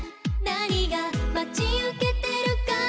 「何が待ち受けてるか」